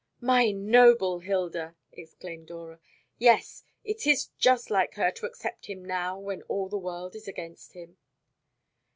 "My noble Hilda!" exclaimed Dora; "yes, it is just like her to accept him now when all the world is against him."